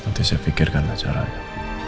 nanti saya pikirkan acaranya